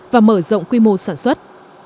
và mở rộng quy mô sản xuất